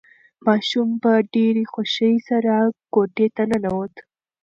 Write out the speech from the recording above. ماشوم په ډېرې خوښۍ سره کوټې ته ننوت.